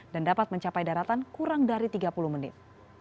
dan dapat mencapai daratan kurang dari tiga puluh menit